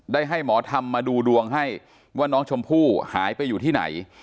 ให้หมอธรรมมาดูดวงให้ว่าน้องชมพู่หายไปอยู่ที่ไหน